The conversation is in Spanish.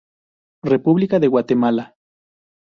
República de Guatemala.